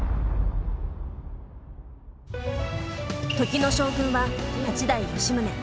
時の将軍は八代・吉宗。